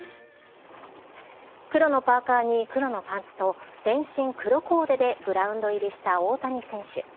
黒のパーカーに黒のパンツと全身黒コーデでグラウンド入りした大谷選手。